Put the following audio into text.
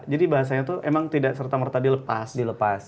jadi bahasanya itu emang tidak serta merta dilepas